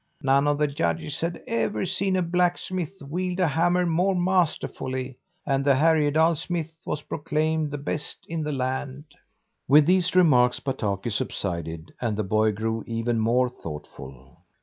None of the judges had ever seen a blacksmith wield a hammer more masterfully, and the Härjedal smith was proclaimed the best in the land." With these remarks Bataki subsided, and the boy grew even more thoughtful.